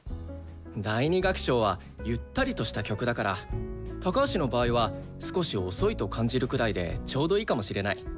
第２楽章はゆったりとした曲だから高橋の場合は少し遅いと感じるくらいでちょうどいいかもしれない。